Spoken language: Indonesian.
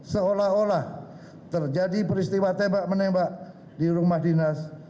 seolah olah terjadi peristiwa tembak menembak di rumah dinas